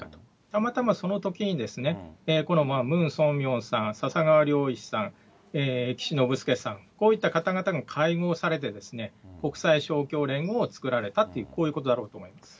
たまたまそのときにこのムン・ソンミョンさん、ささがわりょういちさん、岸信介さん、こういった方々が会合されて、国際勝共連合を作られたと、こういうことだろうと思います。